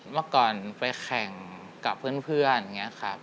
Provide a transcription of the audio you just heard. เมื่อก่อนไปแข่งกับเพื่อนอย่างนี้ครับ